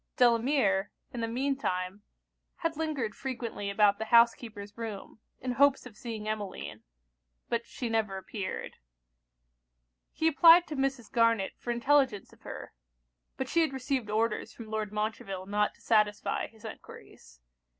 Delamere, in the mean time, had lingered frequently about the housekeeper's room, in hopes of seeing Emmeline; but she never appeared. He applied to Mrs. Garnet for intelligence of her: but she had received orders from Lord Montreville not to satisfy his enquiries.